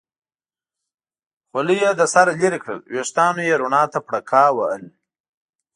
خولۍ یې له سره لرې کړل، وریښتانو یې رڼا ته پړکا وهل.